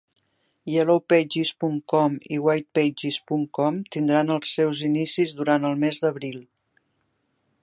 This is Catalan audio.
Yellowpages.com i Whitepages.com tindran els seus inicis durant el mes d'abril.